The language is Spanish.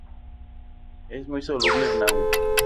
Es muy soluble en agua.